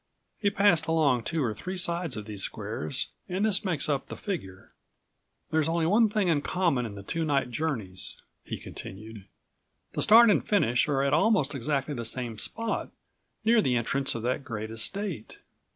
He passed along two or three sides of these squares and this makes up the figure. "There's only one thing in common in the two night journeys," he continued. "The start and finish are at almost exactly the same spot, near the entrance of that great estate."